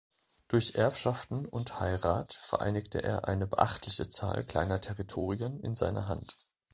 Durch Erbschaften und Heirat vereinigte er eine beachtliche Zahl kleiner Territorien in seiner Hand.